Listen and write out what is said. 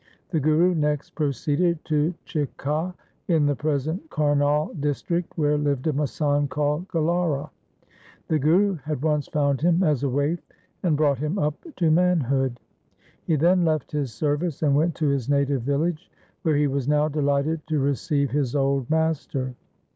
The Guru next proceeded to Chikha in the present Karnal district, where lived a masand called Galaura. The Guru had once found him as a waif, and brought him up to manhood. He then left his service and went to his native village, where he was now delighted to receive his old master.